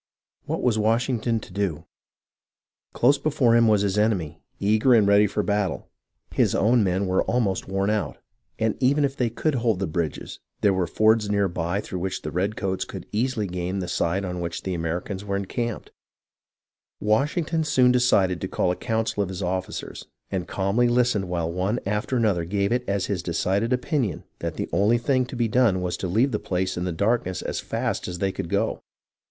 What was Washington to do .' Close before him was his enemy, eager and ready for battle. His own men were almost worn out, and even if they could hold the bridges there were fords near by through which the redcoats could easily gain the side on which the Americans were en 144 HISTORY OF THE AMERICAN REVOLUTION camped. Washington soon decided to call a council of his officers, and calmly listened while one after another gave it as his decided opinion that the only thing to be done was to leave the place in the darkness as fast as they could go.